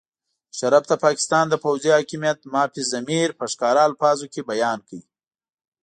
مشرف د پاکستان د پوځي حاکمیت مافي الضمیر په ښکاره الفاظو کې بیان کړ.